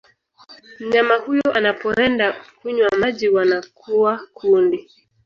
Mnyama huyo anapoenda kunywa maji wanakuwa kundi